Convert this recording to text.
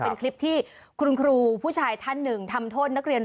เป็นคลิปที่คุณครูผู้ชายท่านหนึ่งทำโทษนักเรียน